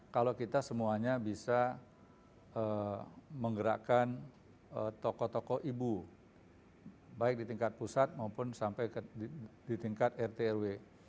kalau kita semuanya bisa menggerakkan tokoh tokoh ibu baik di tingkat pusat maupun sampai di tingkat rtrw